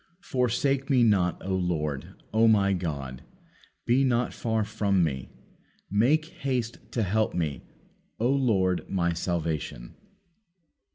Forsake Me not, O Lord; O My God, be not far from Me. Make haste to help Me, O Lord My salvation."